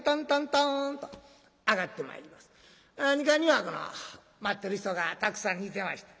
２階には待ってる人がたくさんいてました。